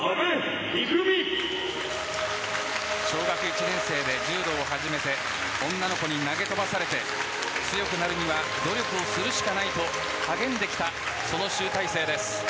小学１年生で柔道を始めて女の子に投げ飛ばされて強くなるには努力をするしかないと励んできたその集大成です。